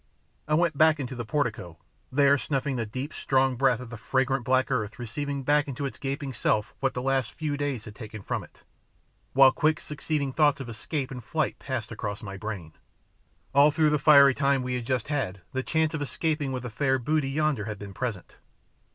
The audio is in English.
I went out into the portico, there snuffing the deep, strong breath of the fragrant black earth receiving back into its gaping self what the last few days had taken from it, while quick succeeding thoughts of escape and flight passed across my brain. All through the fiery time we had just had the chance of escaping with the fair booty yonder had been present.